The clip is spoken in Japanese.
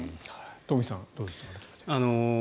トンフィさんどうですか。